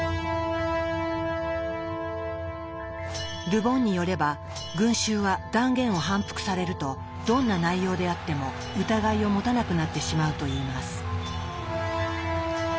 ル・ボンによれば群衆は断言を反復されるとどんな内容であっても疑いを持たなくなってしまうといいます。